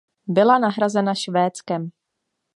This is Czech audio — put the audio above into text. Byla nahrazena Švédskem.